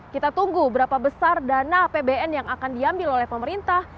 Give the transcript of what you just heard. kita tunggu berapa besar dana apbn yang akan diambil oleh pemerintah